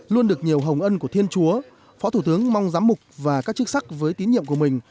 luôn được nhiều hồng ân của thiên chúa phó thủ tướng mong giám mục và các chức sắc với tín nhiệm của mình